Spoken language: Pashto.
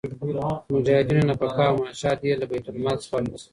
د مجاهدينو نفقه او معاشات دي له بیت المال څخه ورکړل سي.